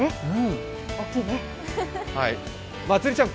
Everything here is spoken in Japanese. まつりちゃん